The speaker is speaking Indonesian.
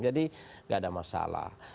jadi gak ada masalah